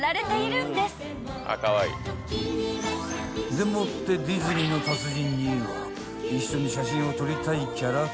［でもってディズニーの達人には一緒に写真を撮りたいキャラクターが］